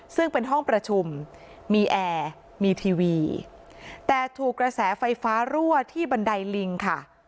ซึ่งเป็นห้องประชุมมีแอร์มีทีวีแต่ถูกกระแสไฟฟ้ารั่วที่บันไดลิงค่ะ